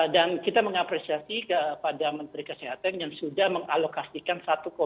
dan kita mengapresiasi kepada menteri kesehatan yang sudah mengalokasikan